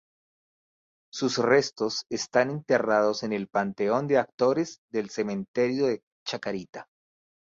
Sus restos están enterrados en el Panteón de Actores del Cementerio de Chacarita.